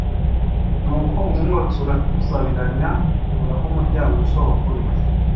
ni uko umwotsi uratuzabiranya tubura aho umuryango usohoka uri